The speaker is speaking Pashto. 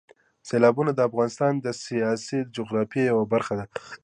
سیلابونه د افغانستان د سیاسي جغرافیې یوه برخه ده.